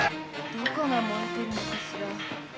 どこが燃えてるのかしら？